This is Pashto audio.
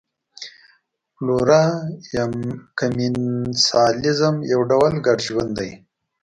فلورا یا کمېنسالیزم یو ډول ګډ ژوند دی.